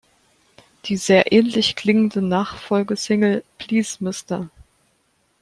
Die sehr ähnlich klingende Nachfolgesingle "Please Mr.